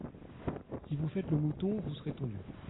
Si vous faites le mouton vous serez tondu.